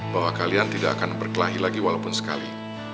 bahwa kalian tidak akan berkelahi lagi walaupun sekali